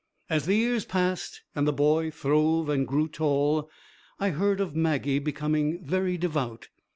As the years passed and the boy throve and grew tall, I heard of Maggie becoming very devout.